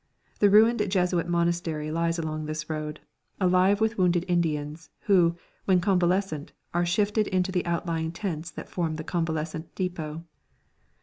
The ruined Jesuit monastery lies along this road, alive with wounded Indians, who, when convalescent, are shifted into the outlying tents that form the Convalescent Depot.